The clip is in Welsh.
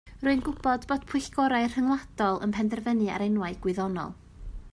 Rwy'n gwybod bod pwyllgorau rhyngwladol yn penderfynu ar enwau gwyddonol